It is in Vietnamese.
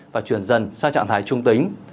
và chuyển dần sang trạng thái trung tính